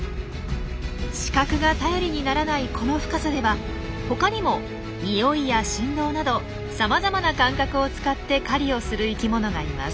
視覚が頼りにならないこの深さではほかにも匂いや振動などさまざまな感覚を使って狩りをする生きものがいます。